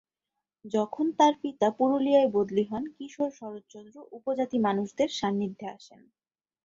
যখন তাঁর পিতা পুরুলিয়ায় বদলি হন, কিশোর শরৎচন্দ্র উপজাতি মানুষদের সান্নিধ্যে আসেন।